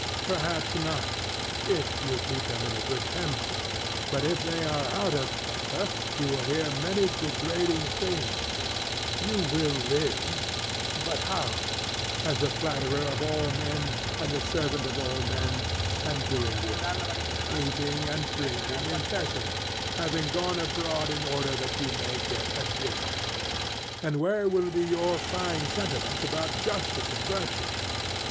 Perhaps not, if you keep them in a good temper; but if they are out of temper you will hear many degrading things; you will live, but how? as the flatterer of all men, and the servant of all men; and doing what? eating and drinking in Thessaly, having gone abroad in order that you may get a dinner. And where will be your fine sentiments about justice and virtue?